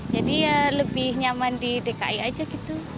jadi ya lebih nyaman di dki aja gitu